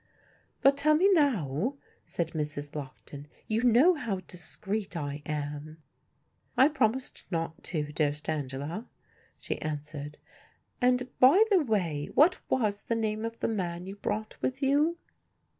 "But tell me now," said Mrs. Lockton; "you know how discreet I am." "I promised not to, dearest Angela," she answered; "and, by the way, what was the name of the man you brought with you?"